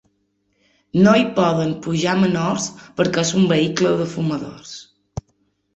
No hi poden pujar menors perquè és un vehicle de fumadors.